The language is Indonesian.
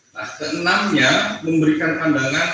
nah ke enamnya memberikan pandangan